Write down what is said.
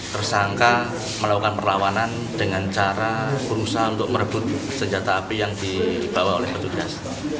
tersangka melakukan perlawanan dengan cara berusaha untuk merebut senjata api yang dibawa oleh petugas